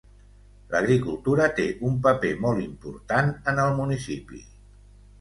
L'agricultura té un paper molt important en el municipi.